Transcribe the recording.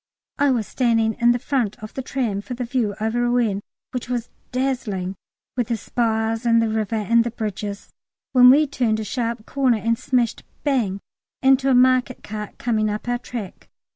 I was standing in the front of the tram for the view over Rouen, which was dazzling, with the spires and the river and the bridges, when we turned a sharp corner and smashed bang into a market cart coming up our track.